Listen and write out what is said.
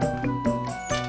aku mau berbual